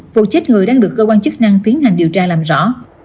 vụ chết người đang được cơ quan chức năng tiến hành điều tra làm rõ